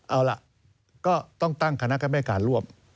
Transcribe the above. เอาล่ะก็ต้องตั้งคณะกรรมการร่วม